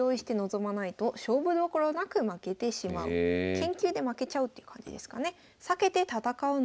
研究で負けちゃうっていう感じですかね。